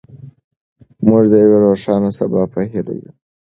موږ د یو روښانه سبا په هیله یو.